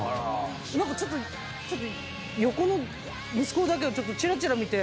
何かちょっと横の息子だけをちらちら見て。